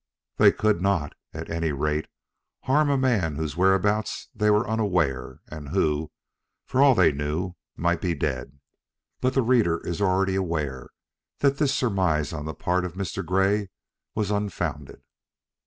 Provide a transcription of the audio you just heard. They could not, at any rate, harm a man of whose whereabouts they were unaware and who, for all they knew, might be dead. But the reader is already aware that this surmise on the part of Mr. Grey was unfounded.